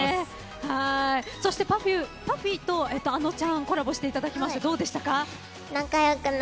ＰＵＦＦＹとａｎｏちゃんコラボしていただきましたがどうでしたか？